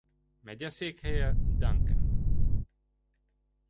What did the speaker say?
Megyeszékhelye Duncan.